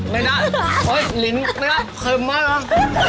ไม่ได้ลิ้นไม่ได้เค็มมาก